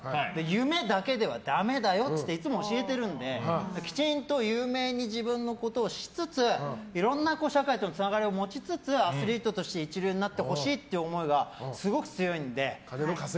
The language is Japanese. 夢だけではダメだよっていつも教えているのできちんと有名に自分のことをしつついろんな社会とのつながりを持ちつつアスリートとして一流になってほしいという思いがすごく強いので。